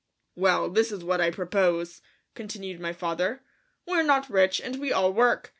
"Well, this is what I propose," continued my father. "We're not rich and we all work.